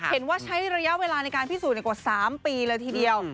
เห็นว่าใช้ระยะเวลาในการพิสูจน์กว่า๓ปีแล้วทีเดียว